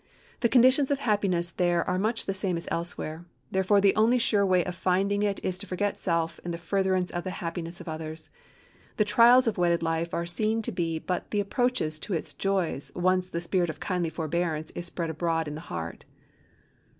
The conditions of happiness there are much the same as elsewhere, therefore the only sure way of finding it is to forget self in the furtherance of the happiness of others. The trials of wedded life are seen to be but the approaches to its joys when once the spirit of kindly forbearance is spread abroad in the heart.